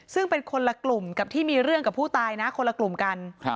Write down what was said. ซึ่งเป็นคนละกลุ่มกับที่มีเรื่องกับผู้ตายนะคนละกลุ่มกัน